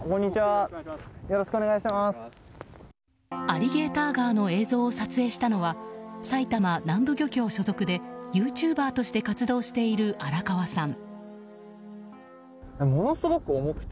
アリゲーターガーの映像を撮影したのは埼玉南部漁協所属でユーチューバーとして活動しているあらかわさん。